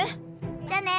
じゃあね。